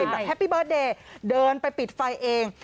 แบบแฮปปี้เบิร์ตเดย์เดินไปปิดไฟเอง